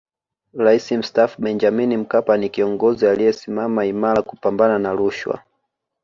Rais Mstaafu Benjamin Mkapa ni kiongozi aliyesimama imara kupambana na rushwa